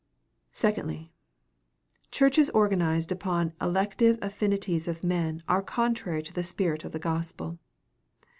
Secondly, churches organized upon elective affinities of men are contrary to the spirit of the gospel.